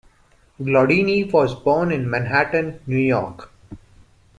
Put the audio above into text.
Glaudini was born in Manhattan, New York.